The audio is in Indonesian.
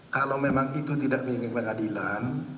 kalau memang itu tidak mengingin pengadilan